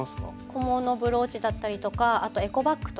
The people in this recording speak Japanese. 小物ブローチだったりとかあとエコバッグとか。